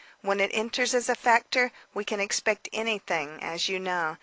When it enters as a factor, we can expect anything as you know.